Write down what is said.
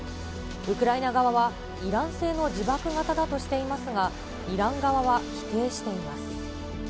ウクライナ側は、イラン製の自爆型だとしていますが、イラン側は否定しています。